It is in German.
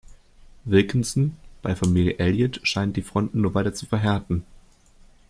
Wilkinsons bei Familie Elliot scheint die Fronten nur weiter zu verhärten.